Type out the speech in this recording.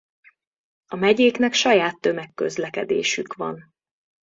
A megyéknek saját tömegközlekedésük van.